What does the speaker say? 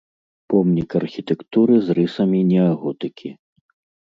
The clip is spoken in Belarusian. Помнік архітэктуры з рысамі неаготыкі.